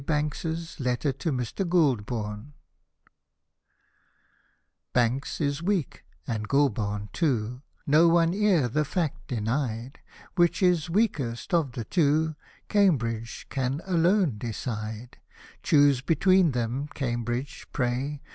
B — kess Letter to Mr. G — lb — 7i. B — KES is weak, and G — lb — n too, No one e'er the fact denied ;— Which is '^ weakest ^^ of the two, Cambridge can alone decide. Choose between them, Cambridge, pray.